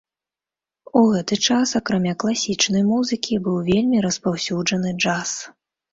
У гэты час акрамя класічнай музыкі быў вельмі распаўсюджаны джаз.